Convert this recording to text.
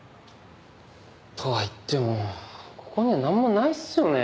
とはいってもここにはなんもないっすよね。